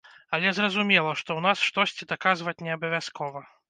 Але зразумела, што ў нас штосьці даказваць не абавязкова.